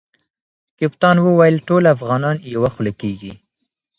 کپتان وویل ټول افغانان یوه خوله کیږي.